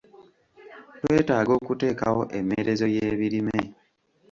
Twetaaga okuteekawo emmerezo y'ebirime.